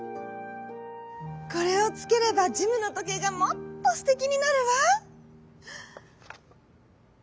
「これをつければジムのとけいがもっとすてきになるわ」。